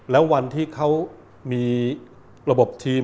แล้ววันที่เขามีระบบทีม